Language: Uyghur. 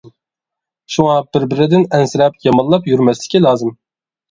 شۇڭا بىر بىرىدىن ئەنسىرەپ يامانلاپ يۈرمەسلىكى لازىم.